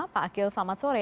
pak akil selamat sore